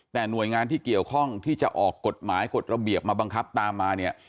แต่หน่วยงานที่เกี่ยวข้องที่จะออกกฎหมายกฎระเบียบมาบังคับตามมาเนี่ย